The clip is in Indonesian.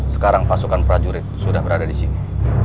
sekarang pasukan prajurit sudah berada di sini